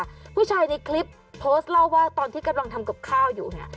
ผู้ชายในคลิปโพสต์เล่าว่าตอนที่กำลังทำกับข้าวอยู่เนี่ย